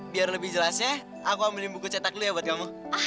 biar lebih jelasnya aku ambilin buku cetak dulu ya buat kamu